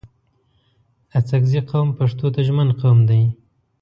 اڅګزي قوم پښتو ته ژمن قوم دی